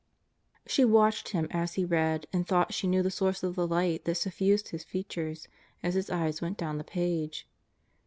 She watched him as he read and thought she knew the source of the light that suffused his features as his eyes went down the page.